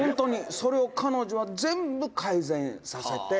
それを彼女は全部改善させて」